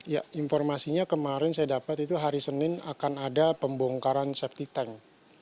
ya informasinya kemarin saya dapat itu hari senin akan ada pembongkaran safety tank